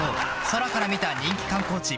空から見た人気観光地